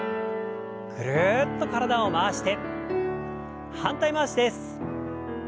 ぐるっと体を回して反対回しです。